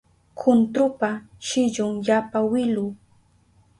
Kuntrupa shillun yapa wilu